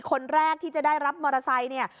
คนแรกที่จะได้รับมอเตอร์ไซค์เนี่ย